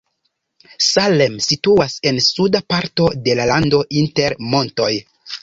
Salem situas en suda parto de la lando inter montoj.